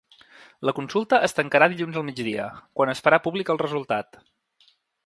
La consulta es tancarà dilluns al migdia, quan es farà públic el resultat.